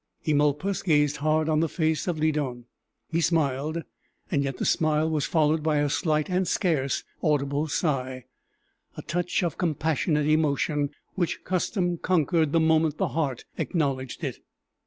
Eumolpus gazed hard on the face of Lydon: he smiled; yet the smile was followed by a slight and scarce audible sigh a touch of compassionate emotion, which custom conquered the moment the heart acknowledged it.